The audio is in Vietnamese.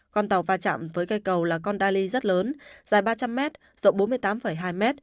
con tàu va chạm với cây cầu là con đa ly rất lớn dài ba trăm linh m rộng bốn mươi tám hai m